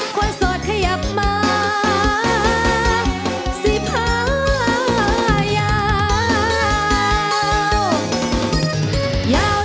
คนสดขยับมาสีผ้ายาว